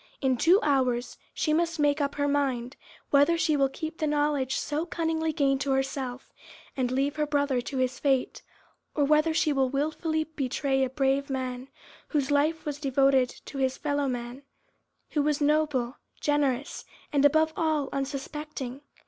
In two hours she must make up her mind whether she will keep the knowledge so cunningly gained to herself, and leave her brother to his fate, or whether she will wilfully betray a brave man, whose life was devoted to his fellow men, who was noble, generous, and above all, unsuspecting.